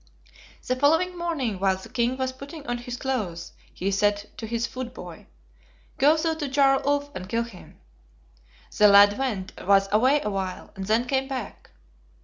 "The following morning, while the King was putting on his clothes, he said to his footboy, 'Go thou to Jarl Ulf and kill him.' The lad went, was away a while, and then came back.